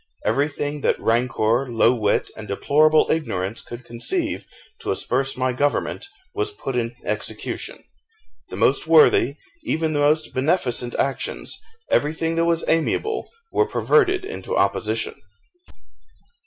Everything that rancour, low wit, and deplorable ignorance could conceive to asperse my government, was put in execution. The most worthy, even the most beneficent actions, everything that was amiable, were perverted into opposition.